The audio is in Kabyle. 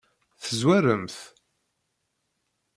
Tezwarem-t?